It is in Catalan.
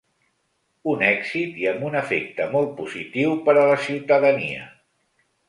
«Un èxit i amb un efecte molt positiu per a la ciutadania».